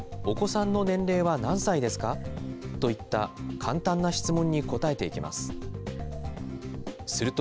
お子さんの年齢は何歳ですか？といった簡単な質問に答えていきます。